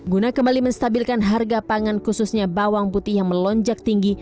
guna kembali menstabilkan harga pangan khususnya bawang putih yang melonjak tinggi